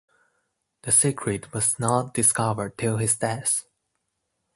The secret was not discovered till his death.